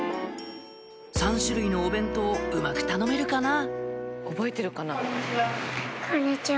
３種類のお弁当うまく頼めるかな？